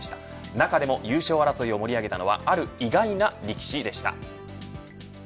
中でも優勝争いを盛り上げたのはある意外な力士でした。